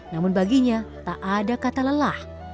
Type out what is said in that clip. namun baginya tak ada kata lelah